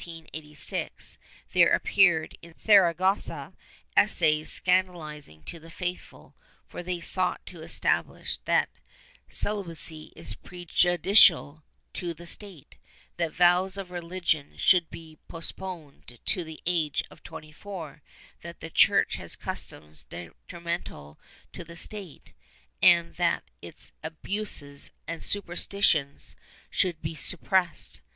Even under Carlos III, we are told that in 1785 6 there appeared in Saragossa essays scandalizing to the faithful, for they sought to establish that celi bacy is prejudicial to the State, that vows of religion should be postponed to the age of 24, that the Church had customs detri mental to the State and that its abuses and superstitions should be suppressed.